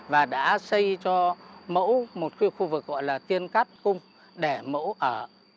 và đã xây cho mẫu một khu vực gọi là tiên cát cung để mẫu ở